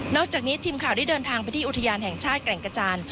อกจากนี้ทีมข่าวได้เดินทางไปที่อุทยานแห่งชาติแก่งกระจาน